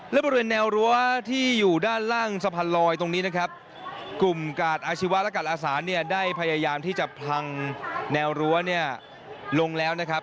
และบริเวณแนวรั้วที่อยู่ด้านล่างสะพานลอยตรงนี้นะครับกลุ่มกาดอาชีวะและกาศอาสานเนี่ยได้พยายามที่จะพลังแนวรั้วเนี่ยลงแล้วนะครับ